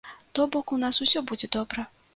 То бок, у нас усё будзе добра.